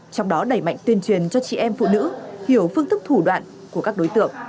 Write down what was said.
trong đó đẩy mạnh tuyên truyền cho chị em phụ nữ hiểu phương thức thủ đoạn của các đối tượng